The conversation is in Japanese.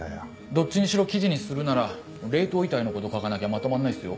どっちにしろ記事にするなら冷凍遺体のこと書かなきゃまとまんないっすよ。